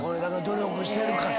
努力してるから。